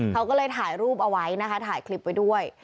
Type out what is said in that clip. เขาก็เลยถ่ายรูปเอาไว้นะคะถ่ายคลิปไว้ด้วย